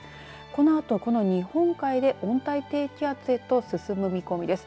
このあと日本海で温帯低気圧へと進む見込みです。